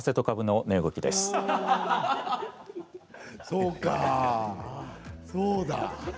そうだ。